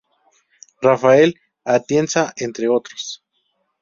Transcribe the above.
Rafael Atienza, entre otros.